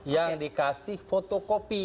yang dikasih fotokopi